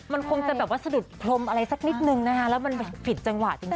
มันคงจะแบบว่าสะดุดพรมอะไรสักนิดนึงนะคะแล้วมันผิดจังหวะจริง